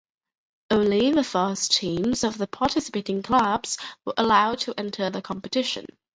Only the first teams of the participating clubs were allowed to enter the competition.